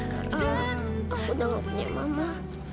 karena aku udah gak punya mama